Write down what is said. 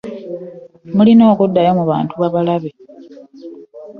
Mulina kuddayo mu bantu babalabe.